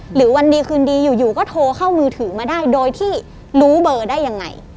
วันดีคืนดีอยู่ก็โทรเข้ามือถือมาได้โดยที่รู้เบอร์ได้ยังไง